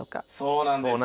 そうなんですよ。